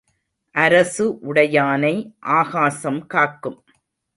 அரசு உடையானை ஆகாசம் காக்கும்.